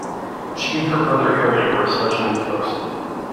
She and her brother Harry were especially close.